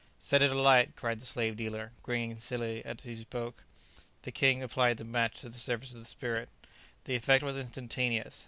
"Set it alight!" cried the slave dealer, grinning slily as he spoke. The king applied the match to the surface of the spirit. The effect was instantaneous.